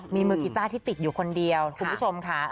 มีมือกีต้าที่ติดอยู่คนเดียวคุณผู้ชมค่ะ